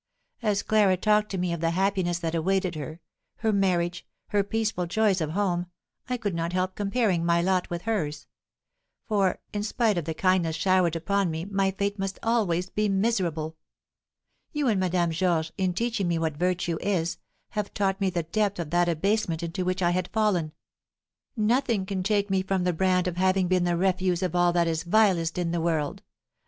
As Clara talked to me of the happiness that awaited her, her marriage, her peaceful joys of home, I could not help comparing my lot with hers; for, in spite of the kindness showered upon me, my fate must always be miserable. You and Madame Georges, in teaching me what virtue is, have taught me the depth of that abasement into which I had fallen; nothing can take from me the brand of having been the refuse of all that is vilest in the world.